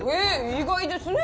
意外ですか？